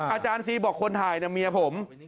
อาจารย์ซียันว่าคนถ่ายเนี่ยเมียผม